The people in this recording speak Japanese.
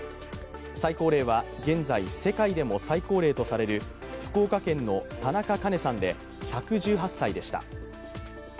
最高齢は、現在世界でも最高齢とされる福岡県の田中カ子さんで１１８歳でした。